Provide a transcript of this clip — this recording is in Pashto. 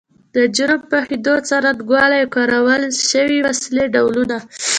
د جرم پیښېدو څرنګوالی او کارول شوې وسلې ډولونه